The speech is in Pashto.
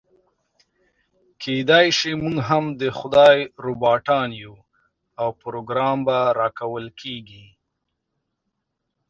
کيداشي موږ هم د خدای روباټان يو او پروګرام به راکول کېږي.